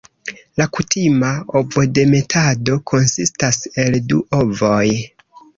La kutima ovodemetado konsistas el du ovoj.